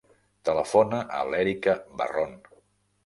Telefona a l'Erica Barron.